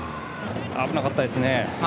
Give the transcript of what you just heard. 危なかったですね。